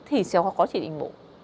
thì sẽ có chỉ định mổ